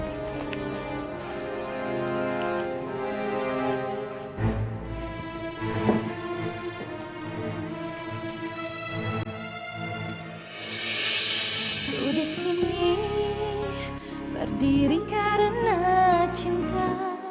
saya disini berdiri karena cinta